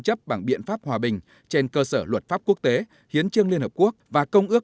chấp bằng biện pháp hòa bình trên cơ sở luật pháp quốc tế hiến trương liên hợp quốc và công ước